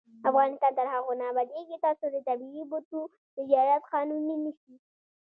افغانستان تر هغو نه ابادیږي، ترڅو د طبیعي بوټو تجارت قانوني نشي.